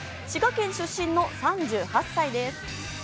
滋賀県出身の３８歳です。